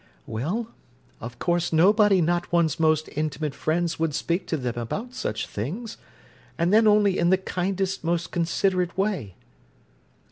"Well, of course nobody not one's most intimate friends would speak to them about such things, and then only in the kindest, most considerate way."